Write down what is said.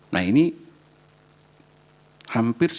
nah ini hampir sembilan puluh dua